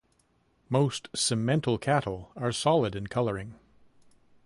Most Simmental cattle are solid in coloring.